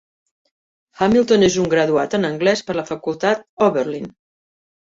Hamilton és un graduat en anglès per la facultat Oberlin.